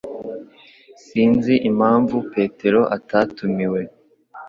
Sinzi impamvu petero atatumiwe